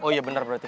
oh iya bener berarti